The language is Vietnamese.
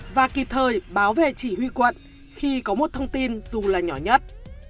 và kịp thời báo về chỉ huy quận khi có một thông tin dù là nhỏ nhất